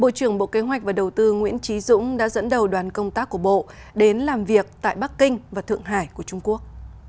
bộ trưởng bộ kế hoạch và đầu tư nguyễn trí dũng đã dẫn đầu đoàn công tác của bộ đến làm việc tại bắc kinh và thượng hải của trung quốc